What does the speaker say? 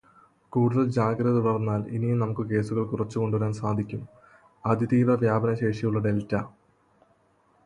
കൂടുതല് ജാഗ്രത തുടര്ന്നാല് ഇനിയും നമുക്ക് കേസുകള് കുറച്ച് കൊണ്ടുവരാന് സാധിക്കും.അതിതീവ്ര വ്യാപനശേഷിയുള്ള ഡെല്റ്റ